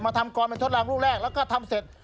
ทำกรเป็นทดรางลูกแรกแล้วก็ทำเสร็จ